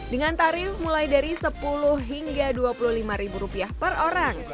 dengan tarif mulai dari sepuluh hingga dua puluh lima ribu rupiah per orang